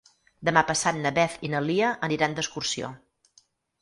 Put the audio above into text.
Demà passat na Beth i na Lia aniran d'excursió.